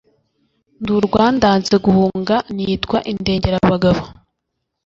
Ndi urwa ndanze guhunga, nitwaza indengerabagabo.